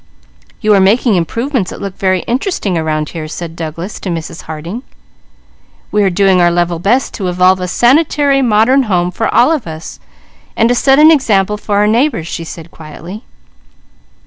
"You are making improvements that look very interesting around here," said Douglas to Mrs. Harding. "We are doing our level best to evolve a sanitary, modern home for all of us, and to set an example for our neighbours," she said quietly.